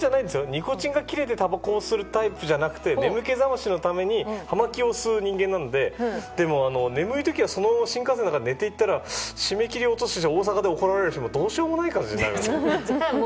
ニコチンが切れてたばこを吸うタイプじゃなくて眠気覚ましのために葉巻を吸う人間なのででも、眠い時は新幹線の中で寝ていたら締め切りを落として大阪で怒られてどうしようもない感じになるんですよ。